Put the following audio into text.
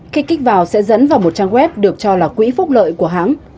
khi kích vào sẽ dẫn vào một trang web được cho là quỹ phúc lợi của hãng